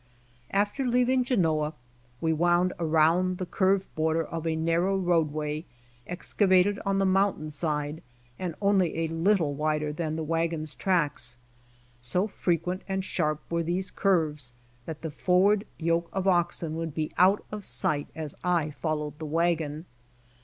After leaving Genoa, we wound around the curved border of a narrow roadway excayated on the mountain side, and only a little wider than the wagon's tracks. So frequent and sharp were these curves that the forward yoke of oxen would be out of sight as 1 followed the wagon.